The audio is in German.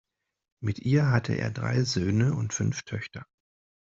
Mit ihr hatte er drei Söhne und fünf Töchter.